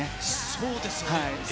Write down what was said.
そうですよね。